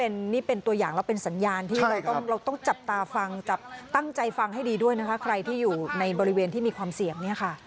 นี่เป็นตัวอย่างแล้วเป็นสัญญาณที่เราต้องเราต้องจับตาฟังจับตั้งใจฟังให้ดีด้วยนะคะใครที่อยู่ในบริเวณที่มีความเสี่ยงเนี่ยค่ะ